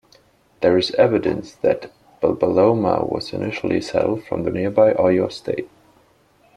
There is evidence that Babaloma was initially settled from the nearby Oyo State.